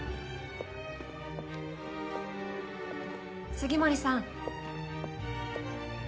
杉森さん。